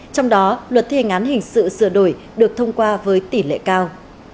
trong đó luật thi hành án hình sự sửa đổi được thông qua với tỷ lệ cao